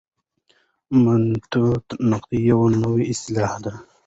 متني نقد یوه نوې اصطلاح ده.